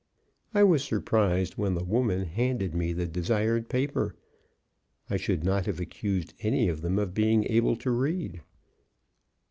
I was surprised when the woman handed me the desired paper; I should not have accused any of them of being able to read.